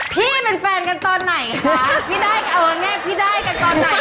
พี่ได้กันตอนไหนดีกว่า